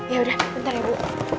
yaudah bentar ya bu